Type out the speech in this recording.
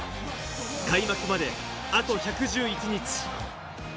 開幕まであと１１１日。